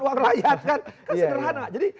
uang rakyat kan kan sederhana jadi